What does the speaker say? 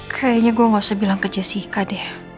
kayanya gue ga usah bilang ke jessica deh